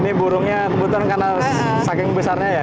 ini burungnya kebetulan karena saking besarnya ya